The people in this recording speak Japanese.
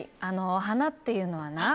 花っていうのはな。